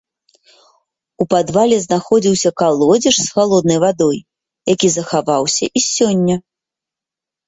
У падвале знаходзіўся калодзеж з халоднай вадой, які захаваўся і сёння.